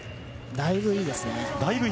だいぶいいですね。